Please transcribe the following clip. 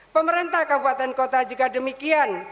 pemerintah kabupaten kota juga demikian